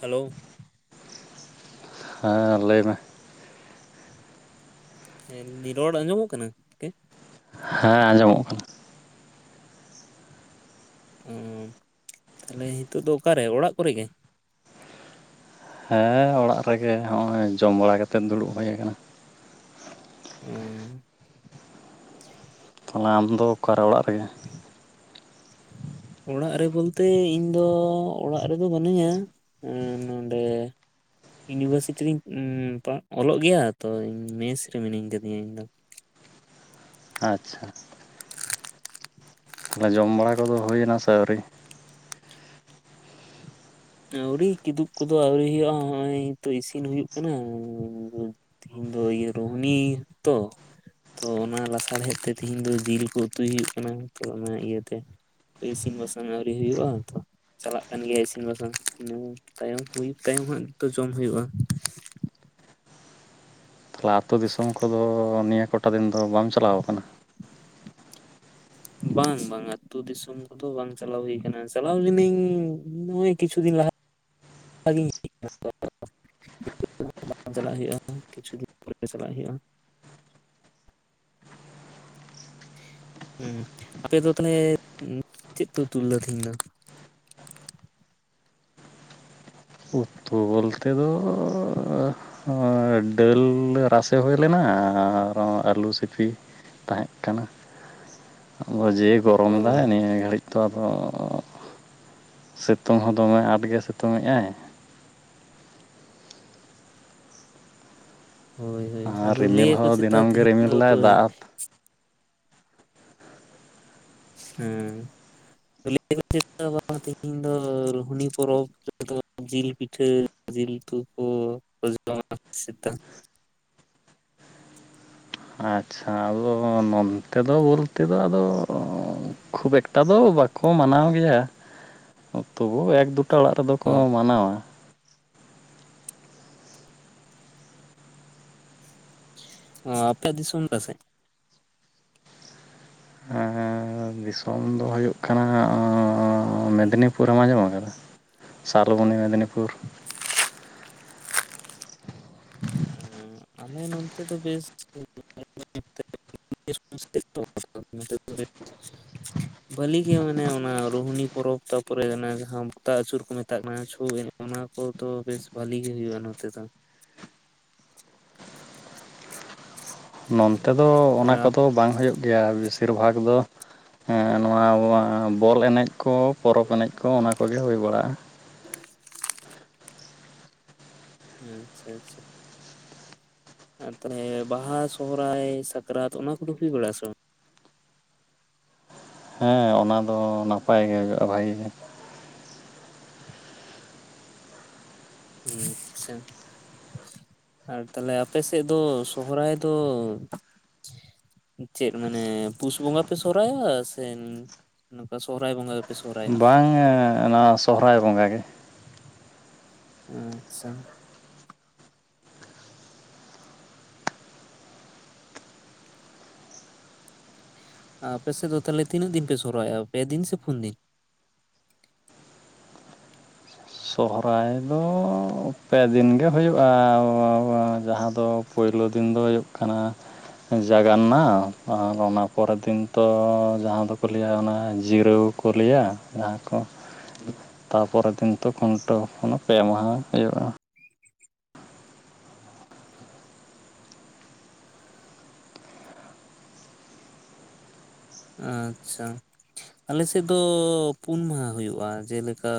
Hello ᱦᱮᱸ ᱞᱟᱹᱭ ᱢᱮ [unintelligible] ᱨᱚᱲ ᱟᱸᱡᱚᱢᱚᱜ ᱠᱟᱱᱟ ᱦᱮᱸ ᱟᱸᱡᱚᱢᱚᱜ ᱠᱟᱱᱟ᱾ ᱚᱻ ᱛᱟᱦᱚᱞᱮ ᱱᱤᱛᱚᱜ ᱫᱚ ᱚᱠᱟᱨᱮ ᱚᱲᱟᱜ ᱠᱚᱨᱮ ᱜᱮ? ᱦᱮᱸ ᱚᱲᱟᱜ ᱨᱮᱜᱮ ᱦᱚᱜᱼᱚᱭ ᱡᱚᱢ ᱵᱟᱲᱟ ᱠᱟᱛᱮᱫ ᱫᱩᱲᱩᱵ ᱦᱩᱭ ᱦᱟᱠᱟᱱᱟ᱾ ᱦᱩᱸ ᱛᱟᱦᱚᱞᱮ ᱟᱢᱫᱚ ᱚᱠᱟᱨᱮ ᱚᱲᱟᱜ ᱨᱮᱜᱮ ᱚᱲᱟᱜ ᱨᱮ ᱵᱚᱞᱛᱮ ᱤᱧ ᱫᱚ ᱚᱲᱟᱜ ᱨᱮᱫᱚ ᱵᱟᱹᱱᱩᱧᱟ ᱱᱚᱸᱰᱮ ᱤᱭᱩᱱᱤᱵᱷᱟᱨᱥᱤᱴᱤ ᱨᱮᱧ ᱯᱟ ᱚᱞᱚᱜ ᱜᱮᱭᱟ ᱛᱚ ᱤᱧ ᱢᱮᱥ ᱨᱮ ᱢᱤᱱᱟᱹᱧ ᱟᱠᱟᱫᱤᱧᱟ ᱤᱧ ᱫᱚ ᱟᱪᱪᱷᱟ ᱛᱟᱦᱚᱞᱮ ᱡᱚᱢ ᱵᱟᱲᱟ ᱠᱚᱫᱚ ᱦᱩᱭᱮᱱᱟ ᱥᱮ ᱟᱹᱣᱨᱤ ᱟᱹᱣᱨᱤ ᱠᱤᱫᱩᱵ ᱠᱚᱫᱚ ᱟᱹᱣᱨᱤ ᱦᱩᱭᱩᱜᱼᱟ ᱱᱚᱜᱼᱚᱭ ᱛᱚ ᱤᱥᱤᱱ ᱦᱩᱭᱩᱜ ᱠᱟᱱᱟ᱾ ᱛᱤᱦᱤᱧ ᱫᱚ ᱤᱭᱟᱹ ᱨᱳᱦᱱᱤ ᱛᱚ ᱛᱚ ᱚᱱᱟ ᱞᱟᱥᱟᱲᱦᱮᱫ ᱛᱮ ᱛᱮᱦᱤᱧ ᱫᱚ ᱡᱤᱞ ᱠᱚ ᱩᱛᱩᱭ ᱦᱩᱭᱩᱜ ᱠᱟᱱᱟ ᱛᱚ ᱚᱱᱟ ᱤᱭᱟᱹᱛᱮ ᱤᱥᱤᱱ ᱵᱟᱥᱟᱝ ᱟᱹᱣᱨᱤ ᱦᱩᱭᱩᱜᱼᱟ ᱛᱚ ᱪᱟᱞᱟᱜ ᱠᱟᱱ ᱜᱮᱭᱟ ᱤᱥᱤᱱ ᱵᱟᱥᱟᱝ ᱤᱱᱟᱹ ᱛᱟᱭᱚᱢ ᱦᱩᱭᱩᱜ ᱛᱟᱭᱚᱢ ᱦᱟᱸᱜ ᱡᱚᱢ ᱦᱩᱭᱩᱜᱼᱟ᱾ ᱛᱟᱦᱚᱞᱮ ᱟᱹᱛᱩ ᱫᱤᱥᱚᱢ ᱠᱚᱫᱚ ᱱᱤᱭᱟᱹ ᱠᱚᱴᱟ ᱫᱤᱱ ᱫᱚ ᱵᱟᱢ ᱪᱟᱞᱟᱣ ᱠᱟᱱᱟ᱾ ᱵᱟᱝ ᱵᱟᱝ ᱟᱛᱳ ᱫᱤᱥᱚᱢ ᱨᱮᱫᱚ ᱵᱟᱝ ᱪᱟᱞᱟᱣ ᱦᱩᱭ ᱠᱟᱱᱟ ᱪᱟᱞᱟᱣ ᱞᱤᱱᱟᱹᱧ ᱱᱚᱜᱚᱭ ᱠᱤᱪᱷᱩ ᱫᱤᱱ ᱞᱟᱦᱟ ᱜᱤᱧ [unintelligible] ᱵᱟᱝ ᱪᱟᱞᱟᱜ ᱦᱩᱭᱩᱜᱼᱟ ᱠᱤᱪᱷᱩ ᱫᱤᱱ ᱯᱚᱨᱮ ᱪᱟᱞᱟᱜ ᱦᱩᱭᱩᱜᱼᱟ ᱦᱮᱸ ᱟᱯᱮ ᱫᱚ ᱛᱟᱦᱚᱞᱮ ᱪᱮᱫ ᱯᱮ ᱩᱛᱩ ᱞᱮᱫᱟ ᱛᱟᱦᱮᱸᱧ ᱫᱚ ᱩᱛᱩ ᱵᱚᱞᱛᱮ ᱫᱚ ᱰᱟᱹᱞ ᱨᱟᱥᱮ ᱦᱩᱭ ᱞᱮᱱᱟ ᱟᱨ ᱟᱹᱞᱩ ᱥᱤᱯᱤ ᱛᱟᱦᱮᱸᱜ ᱠᱟᱱᱟ ᱟᱫᱚ ᱡᱮ ᱜᱚᱨᱚᱢ ᱚ ᱮᱫᱟᱭ ᱱᱤᱭᱟᱹ ᱜᱷᱟᱹᱲᱤᱡ ᱛᱚ ᱚ ᱥᱤᱛᱩᱝ ᱦᱚᱸ ᱫᱚᱢᱮ ᱟᱸᱴᱜᱮ ᱥᱤᱛᱩᱝ ᱮᱫᱼᱟᱭ ᱦᱳᱭ ᱦᱳᱭ ᱟᱨ ᱟᱫᱚ ᱨᱤᱢᱤᱞ ᱞᱟᱹᱭ ᱟᱠᱚ ᱦᱚᱸ ᱪᱮᱛᱟ ᱫᱤᱱᱟᱹᱢ ᱜᱮ ᱛᱤᱦᱤᱧ ᱨᱤᱢᱤᱞ ᱫᱚ ᱫᱟᱭ ᱫᱟᱜ ᱦᱮᱸ ᱛᱮᱤᱦᱤᱧ ᱫᱚ [unintelligible] ᱨᱚᱦᱱᱤ ᱯᱚᱨᱚᱵᱽ ᱡᱤᱞ ᱯᱤᱴᱷᱟᱹ ᱡᱤᱞᱛᱩ ᱠᱚᱢ [unintelligible] ᱟᱪᱪᱷᱟ ᱟᱫᱚ ᱱᱚᱱᱛᱮ ᱫᱚ ᱵᱚᱞᱛᱮ ᱫᱚ ᱟᱫᱚ ᱠᱷᱩᱵ ᱮᱠᱴᱟ ᱫᱚ ᱵᱟᱠᱚ ᱢᱟᱱᱟᱣ ᱜᱮᱭᱟ ᱛᱚᱵᱩ ᱮᱠᱫᱩ ᱟᱛᱳ ᱚᱲᱟᱜ ᱨᱮᱫᱚ ᱠᱚ ᱚ ᱢᱟᱱᱟᱣᱟ ᱚ ᱟᱯᱮ ᱫᱤᱥᱚᱢ ᱨᱮᱥᱮ ᱫᱤᱥᱚᱢ ᱫᱚ ᱦᱩᱭᱩᱜ ᱠᱟᱱᱟ ᱢᱮᱫᱽᱱᱤᱯᱩᱨ ᱯᱩᱨᱮᱢ ᱟᱸᱡᱚᱢ ᱟᱠᱟᱫᱟ ᱥᱟᱞᱵᱚᱱᱤ ᱢᱮᱫᱽᱱᱤᱯᱩᱨ ᱟᱞᱮ ᱱᱚᱱᱛᱮ ᱫᱚ ᱵᱮᱥ ᱻ [unintelligible] [unintelligible] ᱵᱷᱟᱹᱞᱤ ᱜᱮᱭᱟ ᱢᱟᱱᱮ ᱚᱱᱮ ᱚᱱᱟ ᱨᱩᱦᱱᱤ ᱯᱚᱨᱚᱵᱽ ᱛᱟᱨᱯᱚᱨᱮ ᱡᱟᱦᱟᱸ ᱯᱚᱛᱟᱣ ᱟᱹᱪᱩᱨ ᱠᱚ ᱢᱮᱛᱟᱜ ᱠᱟᱱᱟ ᱪᱷᱳᱮᱱᱮᱡ ᱚᱱᱟ ᱠᱚᱫᱚ ᱵᱮᱥ ᱵᱷᱟᱞᱤ ᱜᱮ ᱦᱩᱭᱩᱜᱼᱟ ᱱᱚᱛᱮ ᱫᱚ ᱱᱚᱱᱛᱮ ᱫᱚ ᱚᱱᱟ ᱟᱨ ᱠᱚᱫᱚ ᱵᱟᱝ ᱦᱩᱭᱩᱜ ᱜᱮᱭᱟ ᱵᱮᱥᱤᱨ ᱵᱷᱟᱜᱽ ᱫᱚ ᱱᱚᱣᱟ ᱵᱚᱞ ᱮᱱᱮᱡ ᱠᱚ ᱯᱚᱨᱚᱵᱽ ᱮᱱᱮᱡ ᱠᱚ ᱚᱱᱟ ᱠᱚᱜᱮ ᱦᱩᱭ ᱵᱟᱲᱟᱜᱼᱟ ᱻ ᱦᱩᱸ ᱟᱪᱪᱷᱟ ᱟᱪᱪᱷᱟ ᱟᱨ ᱛᱟᱦᱚᱞᱮ ᱵᱟᱦᱟ ᱥᱚᱦᱚᱨᱟᱭ ᱥᱟᱠᱨᱟᱛ ᱚᱱᱟ ᱠᱚᱫᱚ ᱦᱩᱭ ᱵᱟᱲᱟᱜ ᱟ ᱥᱮ ᱵᱟᱝ ᱦᱚᱸ ᱚᱱᱟ ᱫᱚ ᱱᱟᱯᱟᱭ ᱜᱮ ᱦᱩᱭᱩᱜᱼᱟ ᱵᱷᱟᱜᱤ ᱜᱮ ᱟᱪᱪᱷᱟ ᱟᱨ ᱛᱟᱦᱞᱮ ᱟᱯᱮ ᱥᱮᱫ ᱫᱚ ᱥᱚᱦᱨᱟᱭ ᱫᱚ ᱪᱮᱫ ᱢᱟᱱᱮ ᱯᱩᱥ ᱵᱚᱸᱜᱟ ᱯᱮ ᱥᱚᱦᱨᱟᱭᱚᱜ ᱟ ᱥᱮ ᱱᱚᱝᱠᱟ ᱥᱚᱦᱨᱟᱭ ᱵᱚᱸᱜᱟ ᱥᱚᱦᱨᱟᱭᱚᱜᱼᱟ ᱵᱟᱝ ᱱᱚᱣᱟ ᱥᱚᱦᱨᱟᱭ ᱵᱚᱸᱜᱟ ᱜᱮ ᱟᱪᱪᱷᱟ ᱟᱯᱮ ᱥᱮᱫ ᱫᱚ ᱛᱟᱦᱚᱞᱮ ᱛᱤᱱᱟᱹᱜ ᱫᱤᱱ ᱯᱮ ᱥᱚᱦᱨᱟᱭᱚᱜᱼᱟ ᱯᱮ ᱫᱤᱱ ᱥᱮ ᱯᱩᱱ ᱫᱤᱱ ᱥᱚᱦᱨᱟᱭ ᱫᱚ ᱯᱮ ᱫᱤᱱᱜᱮ ᱦᱩᱭᱩᱜᱼᱟ ᱡᱟᱦᱟᱸᱫᱚ ᱯᱩᱭᱞᱳ ᱫᱤᱱ ᱫᱚ ᱦᱩᱭᱩᱜ ᱠᱟᱱᱟ ᱡᱟᱜᱟᱱᱱᱟ ᱟᱨ ᱚᱱᱟ ᱯᱚᱨᱮᱨ ᱫᱤᱱ ᱛᱚ ᱡᱟᱦᱟᱸ ᱫᱚᱠᱚ ᱞᱟᱹᱭᱟ ᱚᱱᱟ ᱡᱤᱨᱟᱹᱣ ᱠᱚ ᱞᱟᱹᱭᱟ ᱡᱟᱦᱟᱸ ᱠᱚ ᱛᱟᱯᱚᱨᱮᱨ ᱫᱤᱱ ᱛᱚ ᱠᱷᱩᱱᱴᱟᱹᱣ ᱠᱷᱚᱱ ᱯᱮ ᱢᱟᱦᱟ ᱦᱩᱭᱩᱜᱼᱟ ᱟᱪᱪᱷᱟ ᱟᱞᱮ ᱥᱮᱫ ᱫᱚ ᱯᱩᱱ ᱢᱟᱦᱟ ᱦᱩᱭᱩᱜᱼᱟ ᱡᱮᱞᱮᱠᱟ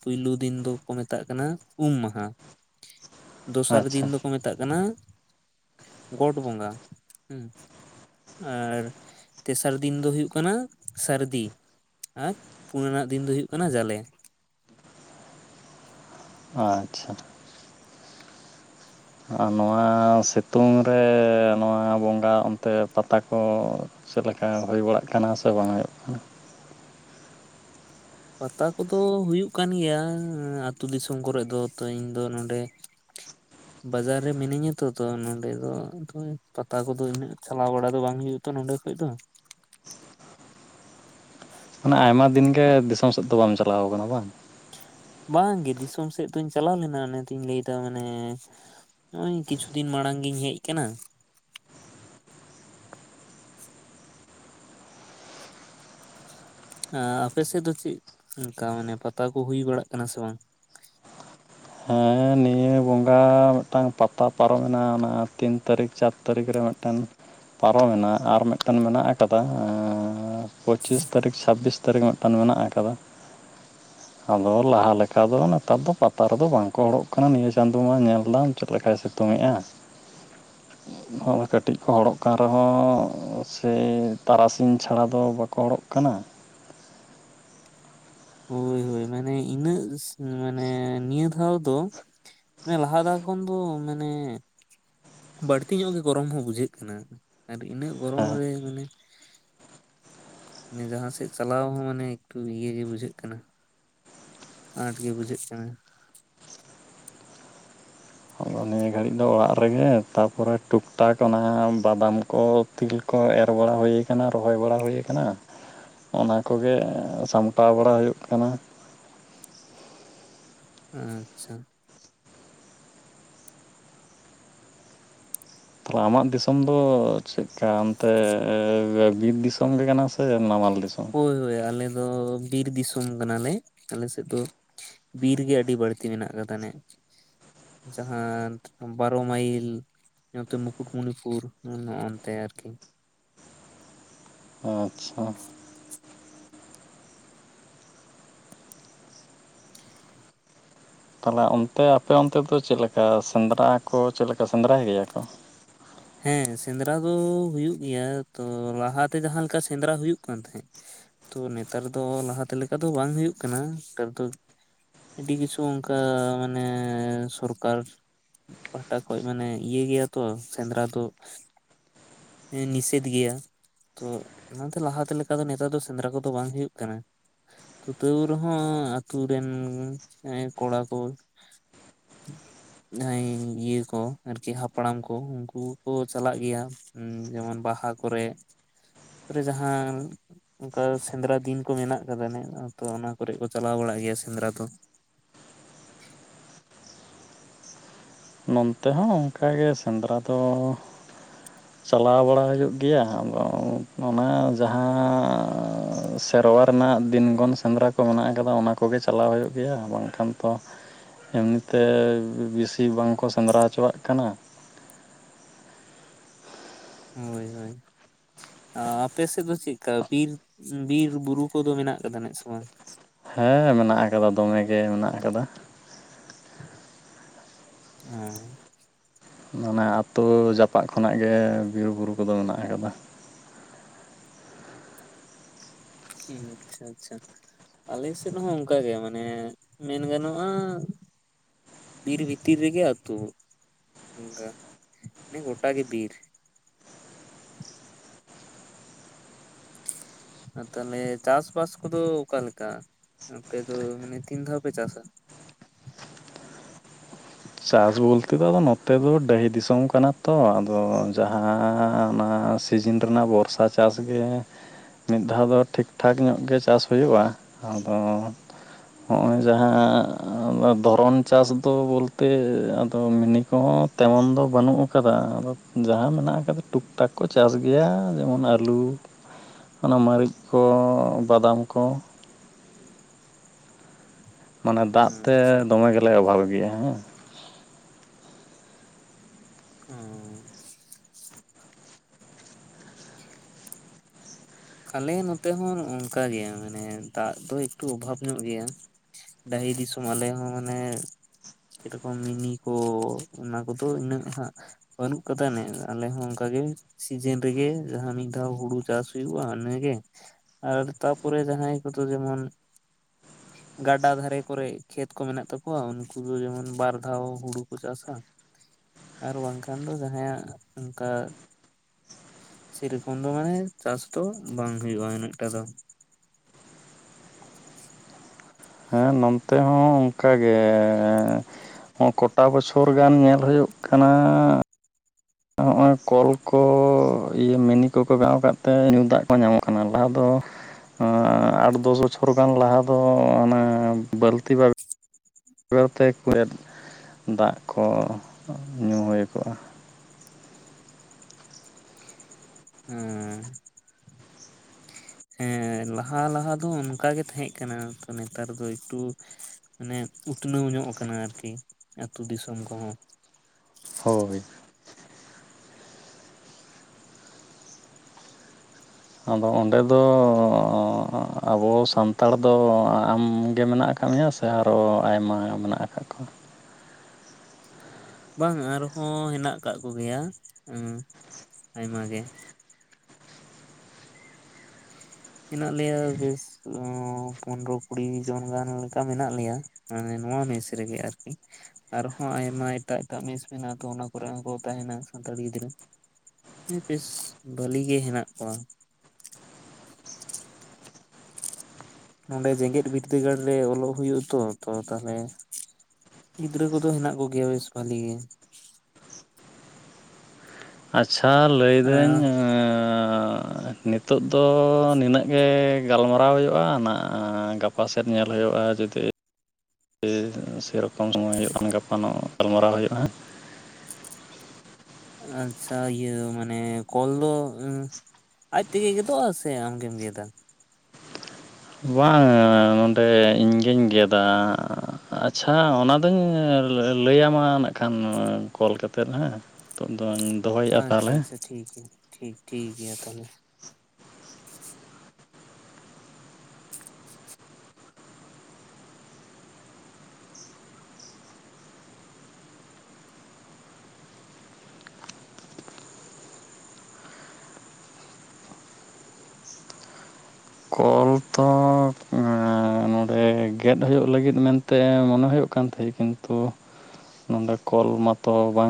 ᱯᱩᱭᱞᱩ ᱫᱤᱱ ᱫᱚᱠᱚ ᱢᱮᱛᱟᱜ ᱠᱟᱱᱟ ᱩᱢ ᱢᱟᱦᱟ ᱻ [inaudible] ᱫᱚᱥᱟᱨ ᱫᱤᱱ ᱫᱚᱠᱚ ᱢᱮᱛ ᱢᱮᱛᱟᱜ ᱠᱟᱱᱟ ᱜᱚᱴ ᱵᱚᱸᱜᱟ ᱦᱩᱸ ᱟᱨ ᱛᱮᱥᱟᱨ ᱫᱤᱱ ᱫᱚ ᱦᱩᱭᱩᱜᱜ ᱠᱟᱱᱟ ᱥᱟᱹᱨᱫᱤ ᱟᱨ ᱯᱩᱱ ᱟᱱᱟᱜ ᱫᱤᱱ ᱫᱚ ᱦᱩᱭᱩᱜ ᱠᱟᱱᱟ ᱡᱟᱞᱮ ᱚ ᱟᱪᱪᱷᱟ ᱟᱨ ᱱᱚᱣᱟ ᱥᱤᱛᱩᱝ ᱨᱮ ᱱᱚᱣᱟ ᱵᱚᱸᱜᱟ ᱚᱱᱛᱮ ᱯᱟᱛᱟ ᱠᱚ ᱪᱮᱫ ᱞᱮᱠᱟ ᱦᱩᱭ ᱵᱟᱲᱟᱜ ᱠᱟᱱᱟ ᱥᱮ ᱵᱟᱝ ᱦᱩᱭᱩᱜ ᱠᱟᱱᱟ ᱯᱟᱛᱟ ᱠᱚᱫᱚ ᱦᱩᱭᱩᱜ ᱠᱟᱱ ᱜᱮᱭᱟ ᱟᱹᱛᱩ ᱫᱤᱥᱚᱢ ᱠᱚᱨᱮ ᱫᱚ ᱛᱚ ᱤᱧ ᱫᱚ ᱱᱚᱰᱮ [inaudible] ᱵᱟᱡᱟᱨ ᱨᱮ ᱢᱤᱱᱟᱹᱧᱟᱛᱚ ᱛᱚ ᱱᱚᱰᱮ ᱫᱚ ᱯᱟᱛᱟ ᱠᱚᱫᱚ ᱤᱱᱟᱹᱜ ᱪᱟᱞᱟᱣ ᱵᱟᱲᱟ ᱫᱚ ᱵᱟᱝ ᱦᱩᱭᱩᱜ ᱛᱚ ᱱᱚᱰᱮ ᱠᱷᱚᱡ ᱫᱚ ᱢᱟᱱᱮ ᱟᱭᱢᱟ ᱫᱤᱱ ᱜᱮ ᱫᱤᱥᱚᱢ ᱥᱮᱫ ᱫᱚ ᱵᱟᱢ ᱪᱟᱞᱟᱣ ᱠᱟᱱᱟ ᱵᱟᱝ ᱵᱟᱝᱜᱮ ᱫᱤᱥᱚᱢ ᱥᱮᱫ ᱫᱚᱧ ᱪᱟᱞᱟᱣ ᱞᱮᱱᱟ ᱚᱱᱟᱛᱤᱧ ᱞᱟᱹᱭᱫᱟ ᱢᱟᱱᱮ ᱱᱚᱜᱼᱚᱭ ᱠᱤᱪᱷᱩ ᱫᱤᱱ ᱢᱟᱲᱟᱝ ᱜᱤᱧ ᱦᱮᱡ ᱟᱠᱟᱱᱟ। ᱟᱸ ᱟᱯᱮ ᱥᱮᱫ ᱫᱚ ᱪᱮᱫ ᱚᱱᱠᱟ ᱢᱟᱱᱮ ᱯᱟᱛᱟ ᱠᱚ ᱦᱩᱭ ᱵᱟᱲᱟᱜ ᱠᱟᱱᱟ ᱥᱮ ᱵᱟᱝ? ᱦᱮᱸ ᱱᱤᱭᱟᱹ ᱵᱚᱸᱜᱟ ᱢᱤᱫᱴᱟᱝ ᱯᱟᱛᱟ ᱯᱟᱨᱚᱢᱮ ᱮᱱᱟ ᱚᱱᱟ ᱛᱤᱱ ᱛᱟᱹᱨᱤᱠᱷ ᱪᱟᱨ ᱛᱟᱹᱨᱤᱠᱷ ᱨᱮ ᱢᱤᱫᱴᱮᱱ ᱯᱟᱨᱚᱢᱮᱱᱟ ᱟᱨ ᱢᱤᱫᱴᱟᱝ ᱢᱮᱱᱟᱜ ᱟᱠᱟᱫᱟ ᱯᱚᱸᱪᱤᱥ ᱛᱟᱹᱨᱤᱠᱷ ᱪᱷᱟᱵᱽᱵᱤᱥ ᱱᱚᱛᱮ ᱨᱮᱜᱮ ᱢᱤᱫᱴᱟᱝ ᱢᱮᱱᱟᱜ ᱟᱠᱟᱫᱟ ᱟᱫᱚ ᱞᱟᱦᱟ ᱞᱮᱠᱟ ᱫᱚ ᱱᱮᱛᱟᱨ ᱫᱚ ᱯᱟᱛᱟ ᱨᱮᱫᱚ ᱵᱟᱝᱠᱚ ᱦᱚᱲᱚᱜ ᱠᱟᱱᱟ ᱱᱤᱭᱟᱹ ᱪᱟᱸᱫᱳ ᱢᱟ ᱧᱮᱞ ᱧᱮᱞᱫᱟᱢ ᱪᱮᱫ ᱞᱮᱠᱟᱭ ᱥᱤᱛᱩᱝ ᱮᱜᱼᱟ। ᱠᱟᱹᱴᱤᱡ ᱠᱚ ᱦᱚᱲᱚᱜ ᱠᱟᱱ ᱨᱮᱦᱚᱸ ᱥᱮ ᱛᱟᱨᱟᱥᱤᱧ ᱪᱷᱟᱲᱟ ᱫᱚ ᱵᱟᱠᱚ ᱦᱚᱲᱚᱜ ᱠᱟᱱᱟ। ᱦᱳᱭ ᱦᱳᱭ ᱢᱟᱱᱮ ᱤᱱᱟᱹᱜ ᱢᱟᱱᱮ ᱱᱤᱭᱟᱹ ᱫᱷᱟᱣ ᱫᱚ ᱢᱟᱱᱮ ᱞᱟᱦᱟ ᱫᱷᱟᱣ ᱠᱷᱚᱱ ᱫᱚ ᱢᱟᱱᱮ ᱵᱟᱹᱲᱛᱤ ᱧᱚᱜ ᱜᱮ ᱜᱚᱨᱚᱢ ᱦᱚᱸ ᱵᱩᱡᱷᱟᱹᱜ ᱠᱟᱱᱟ ᱟᱨ ᱤᱱᱟᱹᱜ ᱜᱚᱨᱚᱢ ᱨᱮ ᱢᱟᱱᱮ ᱡᱟᱦᱟᱸ ᱥᱮᱫ ᱪᱟᱞᱟᱣ ᱦᱚᱸ ᱢᱟᱱᱮ ᱮᱠᱴᱩ ᱤᱭᱟᱹ ᱜᱮ ᱵᱩᱡᱷᱟᱹᱜ ᱠᱟᱱᱟ। ᱟᱸᱴ ᱜᱮ ᱵᱩᱡᱷᱟᱹᱜ ᱠᱟᱱᱟ। ᱦᱚᱸ ᱚᱱᱮ ᱜᱷᱟᱹᱲᱤᱡ ᱫᱚ ᱚᱲᱟᱜ ᱨᱮᱜᱮ ᱛᱟᱯᱚᱨᱮ ᱴᱩᱠᱴᱟᱠ ᱚᱱᱟ ᱵᱟᱫᱟᱢ ᱠᱚ ᱛᱤᱞ ᱠᱚ ᱮᱨ ᱵᱟᱲᱟ ᱦᱩᱭ ᱟᱠᱟᱱᱟ ᱨᱚᱦᱚᱭ ᱵᱟᱲᱟ ᱦᱩᱭ ᱟᱠᱟᱱᱟ। ᱚᱱᱟ ᱠᱚᱜᱮ ᱥᱟᱢᱴᱟᱣ ᱵᱟᱲᱟ ᱦᱩᱭᱩᱜ ᱠᱟᱱᱟ। ᱟᱪᱪᱷᱟ ᱛᱟᱦᱚᱞᱮ ᱟᱢᱟᱜ ᱫᱤᱥᱚᱢ ᱫᱚ ᱪᱮᱫᱠᱟ ᱚᱱᱛᱮ ᱵᱤᱨ ᱫᱤᱥᱚᱢ ᱜᱮ ᱠᱟᱱᱟ ᱥᱮ ᱱᱟᱢᱟᱞ ᱫᱤᱥᱚᱢ ᱦᱳᱭ ᱦᱳᱭ ᱟᱞᱮ ᱫᱚ ᱵᱤᱨ ᱫᱤᱥᱚᱢ ᱠᱟᱱᱟᱞᱮ ᱟᱞᱮ ᱥᱮᱫ ᱫᱚ ᱵᱤᱨ ᱜᱮ ᱟᱹᱰᱤ ᱵᱟᱹᱲᱛᱤ ᱢᱮᱱᱟᱜ ᱠᱟᱫᱟ। ᱡᱟᱦᱟᱸ ᱵᱟᱨᱚ ᱢᱟᱭᱤᱞ ᱱᱚᱛᱮ ᱢᱩᱠᱩᱴᱢᱩᱱᱤᱯᱩᱨ ᱱᱚᱜ ᱚᱱᱛᱮ ᱟᱨᱠᱤ। ᱟᱪᱪᱷᱟ ᱦᱮᱸ [unintelligible] ᱛᱟᱦᱚᱞᱮ ᱚᱱᱛᱮ ᱟᱯᱮ ᱚᱱᱛᱮ ᱫᱚ ᱪᱮᱫᱞᱮᱠᱟ ᱥᱮᱸᱫᱽᱨᱟ ᱠᱚ ᱪᱮᱫᱞᱮᱠᱟ ᱥᱮᱸᱫᱽᱨᱟᱭ ᱜᱮᱭᱟ ᱠᱚ ᱦᱮᱸ ᱥᱮᱸᱫᱽᱨᱟ ᱫᱚ ᱦᱩᱭᱩᱜ ᱜᱮᱭᱟ ᱛᱚ ᱞᱟᱦᱟᱛᱮ ᱡᱟᱦᱟᱸ ᱞᱮᱠᱟ ᱥᱮᱸᱫᱽᱨᱟ ᱦᱩᱭᱩᱜ ᱠᱟᱱ ᱛᱟᱦᱮᱸᱫ ᱛᱚ ᱱᱮᱛᱟᱨ ᱫᱚ ᱞᱟᱦᱟᱛᱮ ᱞᱮᱠᱟ ᱫᱚ ᱵᱟᱝ ᱦᱩᱭᱩᱜ ᱠᱟᱱᱟ ᱱᱮᱛᱟᱨ ᱫᱚ। ᱟᱹᱰᱤ ᱠᱤᱪᱷᱩ ᱚᱱᱠᱟ ᱢᱟᱱᱮ ᱥᱚᱨᱠᱟᱨ ᱯᱟᱦᱴᱟ ᱠᱷᱚᱱ ᱢᱟᱱᱮ ᱤᱭᱟᱹ ᱜᱮᱭᱟ ᱛᱚ ᱥᱮᱸᱫᱽᱨᱟ ᱫᱚ ᱦᱮᱸ ᱱᱤᱥᱮᱫ ᱜᱮᱭᱟ। ᱛᱚ ᱚᱱᱟᱛᱮ ᱞᱟᱦᱟᱛᱮ ᱞᱮᱠᱟ ᱫᱚ ᱱᱮᱛᱟᱨ ᱫᱚ ᱥᱮᱸᱫᱽᱨᱟ ᱠᱚᱫᱚ ᱵᱟᱝ ᱦᱳᱭᱳ ᱠᱟᱱᱟ। ᱛᱟᱹᱣ ᱨᱮᱦᱚᱸ ᱟᱛᱩ ᱨᱮᱱ ᱠᱚᱲᱟ ᱠᱚ ᱡᱟᱦᱟᱸᱭ ᱤᱭᱟᱹ ᱠᱚ ᱟᱨᱠᱤ ᱦᱟᱯᱲᱟᱢ ᱠᱚ ᱠᱚ ᱩᱱᱠᱩᱠᱚ ᱪᱟᱞᱟᱜ ᱜᱮᱭᱟ ᱡᱮᱢᱚᱱ ᱵᱟᱦᱟ ᱠᱚᱨᱮ। ᱨᱮ ᱡᱟᱦᱟᱸ ᱚᱱᱠᱟ ᱥᱮᱸᱫᱽᱨᱟ ᱫᱤᱱ ᱠᱚ ᱢᱮᱱᱟᱜ ᱟᱠᱟᱫᱟ ᱛᱚ ᱚᱱᱟ ᱠᱚᱨᱮ ᱠᱚ ᱪᱟᱞᱟᱣ ᱵᱟᱲᱟᱜ ᱜᱮᱭᱟ ᱥᱮᱸᱫᱽᱨᱟ ᱫᱚ। ᱱᱚᱱᱛᱮ ᱦᱚᱸ ᱚᱱᱠᱟᱜᱮ ᱥᱮᱸᱫᱽᱨᱟ ᱫᱚ ᱪᱟᱞᱟᱣ ᱵᱟᱲᱟ ᱦᱩᱭᱩᱜ ᱜᱮᱭᱟ ᱟᱫᱚ ᱚᱱᱟ ᱡᱟᱦᱟᱸ ᱥᱮᱨᱣᱟ ᱨᱮᱱᱟᱜ ᱫᱤᱱᱜᱚᱱ ᱥᱮᱸᱫᱽᱨᱟ ᱠᱚ ᱢᱮᱱᱟᱜ ᱟᱠᱟᱫᱟ ᱚᱱᱟ ᱠᱚᱜᱮ ᱪᱟᱞᱟᱣ ᱦᱩᱭᱩᱜ ᱜᱮᱭᱟ ᱵᱟᱝᱠᱷᱟᱱ ᱛᱚ ᱮᱢᱱᱤᱛᱮ ᱵᱮᱥᱤ ᱵᱟᱝᱠᱚ ᱥᱮᱸᱫᱽᱨᱟ ᱦᱚᱪᱚᱣᱟᱜ ᱠᱟᱱᱟ। ᱦᱳᱭ ᱦᱳᱭ ᱟᱯᱮ ᱥᱮᱫ ᱫᱚ ᱪᱮᱫᱠᱟ ᱵᱤᱨ ᱵᱤᱨ ᱵᱩᱨᱩ ᱠᱚᱫᱚ ᱢᱮᱱᱟᱜ ᱠᱟᱫᱟ ᱥᱮ ᱵᱟᱝ। ᱦᱮᱸ ᱢᱮᱱᱟᱜ ᱟᱠᱟᱫᱟ ᱫᱚᱢᱮ ᱜᱮ ᱢᱮᱱᱟᱜ ᱟᱠᱟᱫᱟ ᱚᱸ ᱢᱟᱱᱮ ᱟᱹᱛᱩ ᱡᱟᱯᱟᱜ ᱠᱷᱚᱱᱟᱜ ᱜᱮ ᱵᱤᱨ ᱵᱩᱨᱩ ᱠᱚᱫᱚ ᱢᱮᱱᱟᱜ ᱟᱠᱟᱫᱟ ᱦᱩᱸ ᱟᱪᱪᱷᱟ ᱟᱪᱪᱷᱟ ᱟᱞᱮ ᱥᱮᱫ ᱦᱚᱸ ᱚᱱᱠᱟᱜᱮ ᱢᱟᱱᱮ ᱢᱮᱱ ᱜᱟᱱᱚᱜᱼᱟ ᱵᱤᱨ ᱵᱷᱤᱛᱤᱨ ᱨᱮᱜᱮ ᱟᱹᱛᱩ ᱚᱱᱠᱟ ᱢᱟᱱᱮ ᱜᱚᱴᱟ ᱜᱮ ᱵᱤᱨ ᱟᱨ ᱛᱟᱦᱚᱞᱮ ᱪᱟᱥᱵᱟᱥ ᱠᱚᱫᱚ ᱚᱠᱟᱞᱮᱠᱟ ᱟᱯᱮ ᱫᱚ ᱢᱟᱱᱮ ᱛᱤᱱ ᱫᱷᱟᱣ ᱯᱮ ᱪᱟᱥᱟ ᱪᱟᱥ ᱵᱚᱞᱛᱮ ᱫᱚ ᱟᱫᱚ ᱱᱚᱛᱮ ᱫᱚ ᱰᱟᱦᱤ ᱫᱤᱥᱚᱢ ᱠᱟᱱᱟ ᱛᱚ ᱟᱫᱚ ᱡᱟᱦᱟᱸ ᱱᱟᱜ ᱥᱤᱡᱤᱱ ᱨᱮᱱᱟᱜ ᱵᱚᱨᱥᱟ ᱪᱟᱥ ᱜᱮ ᱢᱤᱫ ᱫᱷᱟᱣ ᱫᱚ ᱴᱷᱤᱠ ᱴᱷᱟᱠ ᱧᱚᱜ ᱜᱮ ᱪᱟᱥ ᱦᱩᱭᱩᱜᱼᱟ ᱟᱫᱚ ᱦᱚᱸᱜᱼᱚᱭ ᱡᱟᱦᱟᱸ ᱫᱷᱚᱨᱚᱱ ᱪᱟᱥ ᱫᱚ ᱵᱚᱞᱛᱮ ᱛᱮ ᱟᱫᱚ ᱢᱤᱱᱤ ᱠᱚᱦᱚᱸ ᱛᱮᱢᱚᱱ ᱫᱚ ᱵᱟᱹᱱᱩᱜ ᱟᱠᱟᱫᱟ ᱟᱫᱚ ᱡᱟᱦᱟᱸ ᱢᱮᱱᱟᱜ ᱟᱠᱟᱫᱟ ᱴᱩᱠ ᱴᱟᱠ ᱠᱚ ᱪᱟᱥ ᱜᱮᱭᱟ ᱡᱮᱢᱚᱱ ᱟᱹᱞᱩ ᱚᱱᱟ ᱢᱟᱹᱨᱤᱪ ᱠᱚ ᱵᱟᱫᱟᱢ ᱠᱚ ᱢᱟᱱᱮ ᱫᱟᱜ ᱛᱮ ᱟᱪᱪᱷᱟ ᱫᱚᱢᱮ ᱜᱮᱞᱮ ᱚᱵᱷᱟᱵᱽ ᱜᱮᱭᱟ ᱦᱮᱸ ᱩᱸ ᱟᱞᱮ ᱱᱚᱛᱮ ᱦᱚᱸ ᱚᱱᱠᱟ ᱜᱮᱭᱟ ᱢᱟᱱᱮ ᱫᱟᱜ ᱫᱚ ᱮᱠᱴᱩ ᱚᱵᱷᱟᱵ ᱧᱚᱜ ᱜᱮᱭᱟ ᱫᱦᱤ ᱫᱤᱥᱚᱢ ᱢᱟᱞᱮ ᱦᱚᱸ ᱢᱟᱱᱮ ᱥᱮᱨᱚᱠᱚᱢ ᱢᱤᱱᱤ ᱠᱚ ᱚᱱᱟ ᱠᱚᱫᱚ ᱤᱱᱟᱹᱜ ᱦᱟᱜ ᱵᱟᱹᱱᱩᱜ ᱠᱟᱫᱟ ᱟᱞᱮ ᱦᱚᱸ ᱚᱱᱠᱟᱟᱜ ᱜᱮ ᱥᱤᱡᱮᱱ ᱨᱮᱜᱮ ᱡᱟᱦᱟᱸ ᱢᱤᱫ ᱫᱷᱟᱣ ᱦᱩᱲᱩ ᱪᱟᱥ ᱦᱩᱭᱩᱜᱭᱳᱼᱟ ᱩᱱᱟᱹ ᱜᱮ ᱟᱨ ᱛᱟᱯᱚᱨᱮ ᱡᱟᱦᱟᱸᱭ ᱠᱚᱫᱚ ᱡᱮᱢᱚᱱ [unintelligible] ᱜᱟᱰᱟ ᱫᱷᱟᱨᱮ ᱠᱚᱨᱮ ᱠᱷᱮᱛ ᱠᱚ ᱢᱮᱱᱟᱜ ᱛᱟᱠᱚᱣᱟ ᱩᱱᱠᱩ ᱫᱚ ᱡᱮᱢᱚᱱ ᱵᱟᱨ ᱫᱷᱟᱣ ᱦᱩᱲᱩ ᱠᱚ ᱪᱟᱥᱟ ᱟᱨ ᱵᱟᱝᱠᱷᱟᱱ ᱫᱚ ᱡᱟᱦᱟᱸᱭᱟᱜ ᱚᱱᱠᱟ ᱥᱮᱨᱚᱠᱚᱢ ᱫᱚ ᱢᱟᱱᱮ ᱪᱟᱥ ᱫᱚ ᱵᱟᱝ ᱦᱩᱭᱩᱜᱼᱟ ᱩᱱᱟᱹᱜᱴᱟ ᱫᱚ ᱱᱚᱱᱛᱮ ᱦᱚᱸ ᱚᱱᱠᱟᱜᱮ ᱦᱚᱸ ᱠᱚᱴᱟ ᱵᱚᱪᱷᱚᱨ ᱜᱟᱱ ᱧᱮᱞ ᱦᱩᱭᱩᱜ ᱠᱟᱱᱟ ᱱᱚᱜᱼᱚᱭ ᱠᱚᱞ ᱠᱚ ᱤᱭᱟᱹ ᱢᱤᱱᱤ ᱠᱚᱠᱚ ᱵᱮᱱᱟᱣ ᱠᱟᱫ ᱛᱮ ᱧᱩ ᱫᱟᱜ ᱠᱚ ᱧᱟᱢᱚᱜ ᱠᱟᱱᱟ ᱞᱟᱦᱟ ᱫᱚ ᱦᱟ... ᱟᱴ ᱫᱚᱥ ᱵᱚᱪᱷᱚᱨ ᱜᱟᱱ ᱞᱟᱦᱟ ᱫᱚ ᱚᱱᱟ ᱵᱟᱹᱞᱛᱤ ᱞᱛᱮ ᱠᱚᱭᱮᱫ ᱫᱟᱜ ᱠᱚ ᱧᱩ ᱦᱩᱭ ᱠᱚᱜᱼᱟ ᱦᱮᱸ ᱦᱮᱸ ᱞᱟᱦᱟ ᱞᱟᱦᱟ ᱫᱚ ᱚᱱᱠᱟᱜᱮ ᱛᱟᱦᱮᱸ ᱠᱟᱱᱟ ᱱᱮᱛᱟᱨ ᱫᱚ ᱮᱠᱴᱩ ᱢᱟᱱᱮ ᱩᱛᱱᱟᱹᱣ ᱧᱚᱜ ᱠᱟᱱᱟ ᱟᱨᱠᱤ ᱟᱹᱛᱩ ᱫᱤᱥᱚᱢ ᱠᱚᱦᱚᱸ ᱦᱳᱭ ᱟᱫᱚ ᱚᱸᱰᱮ ᱫᱚ ᱟᱵᱚ ᱥᱟᱱᱛᱟᱲ ᱫᱚ ᱟᱢᱜᱮ ᱢᱮᱱᱟᱜᱼᱟ ᱢᱤᱭᱟ ᱟᱠᱟᱫ ᱢᱮᱭᱟ ᱥᱮ ᱟᱨᱚ ᱟᱭᱢᱟ ᱢᱮᱱᱟᱜ ᱟᱠᱟᱫ ᱠᱚᱣᱟ ᱵᱟᱝ ᱟᱨᱦᱚᱸ ᱦᱮᱱᱟᱜ ᱟᱠᱟᱫ ᱠᱚᱜᱮᱭᱟ ᱦᱸ ᱟᱭᱢᱟ ᱜᱮ ᱦᱮᱱᱟᱜ ᱞᱮᱭᱟ ᱵᱮᱥ ᱯᱚᱱᱨᱚ ᱠᱩᱲᱤ ᱡᱚᱱ ᱜᱟᱱ ᱞᱮᱠᱟ ᱢᱮᱱᱟᱜ ᱞᱮᱭᱟ ᱢᱟᱱᱮ ᱱᱚᱣᱟ ᱢᱮᱥ ᱨᱮᱜᱮ ᱟᱨᱠᱤ ᱟᱨᱦᱚᱸ ᱟᱭᱢᱟ ᱮᱴᱟᱜ ᱮᱴᱟᱜ ᱢᱤᱥ ᱢᱮᱱᱟᱜᱼᱟ ᱛᱚ ᱚᱱᱟ ᱠᱚᱨᱮ ᱦᱚᱸᱠᱚ ᱛᱟᱦᱮᱱᱟ ᱥᱟᱱᱛᱟᱲᱤ ᱜᱤᱫᱽᱨᱟᱹ ᱵᱮᱥ ᱵᱷᱟᱹᱞᱤ ᱜᱮ ᱦᱮᱱᱟᱜ ᱠᱚᱣᱟ ᱱᱚᱰᱮ ᱡᱮᱜᱮᱫ ᱵᱤᱫᱟᱹᱜᱟᱲ ᱨᱮ ᱚᱞᱚᱜ ᱦᱩᱭᱩᱜ ᱟ ᱛᱚ ᱛᱚ ᱛᱟᱦᱚᱞᱮ ᱜᱤᱫᱽᱨᱟᱹ ᱠᱚᱫᱚ ᱦᱮᱱᱟᱜ ᱠᱚᱜᱮᱭᱟ ᱵᱮᱥ ᱵᱷᱟᱞᱤ ᱜᱮ ᱟᱪᱪᱷᱟ ᱞᱟᱹᱭᱫᱟᱹᱧ ᱟᱨ ᱟ... ᱟ... ᱱᱤᱛᱚᱜ ᱫᱚ ᱱᱤᱱᱟᱹᱜ ᱜᱮ ᱜᱟᱞᱢᱟᱨᱟᱣ ᱦᱩᱭᱩᱜᱼᱟ ᱱᱟ ᱜᱟᱯᱟ ᱚᱠᱟᱟᱥᱮᱫ ᱧᱮᱞ ᱦᱩᱭᱩᱜᱼᱟ ᱡᱩᱫᱤ ᱫᱤ... ᱥᱮᱨᱚᱠᱚᱢ ᱥᱚᱢᱚᱭ ᱦᱩᱭᱩᱜ ᱠᱷᱟᱱ ᱜᱟᱯᱟᱱᱚᱜ ᱜᱟᱞᱢᱟᱨᱟᱣ ᱦᱩᱭᱩᱜᱼᱟ ᱟᱪᱪᱷᱟ ᱤᱭᱟᱹ ᱢᱟᱱᱮ ᱠᱚᱞ ᱫᱚ ᱟᱡ ᱛᱮᱜᱮ ᱜᱮᱫᱚᱜᱼᱟ ᱥᱮ ᱟᱢᱜᱮᱢ ᱜᱮᱫᱟ ᱵᱟᱝ ᱱᱚᱸᱰᱮ ᱤᱧᱜᱤᱧ ᱜᱮᱫᱟ ᱟᱪᱪᱷᱟ ᱚᱱᱟᱫᱩᱧ ᱞᱟᱹᱭᱟᱢᱟ ᱱᱟᱜ ᱠᱷᱟᱱ ᱠᱚᱞ ᱠᱟᱛᱮᱫ ᱦᱮᱸ ᱱᱤᱛᱚᱜ ᱫᱚᱧ ᱫᱚᱦᱚᱭᱮᱫᱼᱟ ᱟᱪᱪᱷᱟ ᱛᱟᱦᱚᱞᱮ ᱟᱪᱪᱷᱟ ᱴᱷᱤᱠ ᱴᱷᱤᱠ ᱜᱮᱭᱟ ᱜᱮᱭᱟ ᱛᱟᱦᱚᱞᱮ᱾ ᱠᱚᱞ ᱛᱚ ᱱᱚᱸᱰᱮ ᱜᱮᱫ ᱦᱩᱭᱩᱜ ᱞᱟᱹᱜᱤᱫ ᱢᱮᱱᱛᱮ ᱢᱚᱱᱮ ᱦᱩᱭᱩᱜ ᱠᱟᱱ ᱛᱟᱦᱮᱸᱫ ᱠᱤᱱᱛᱩ ᱱᱚᱰᱮ ᱠᱚᱞ ᱢᱟᱛᱚ ᱵᱟᱝ